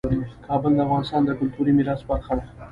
کابل د افغانستان د کلتوري میراث برخه ده.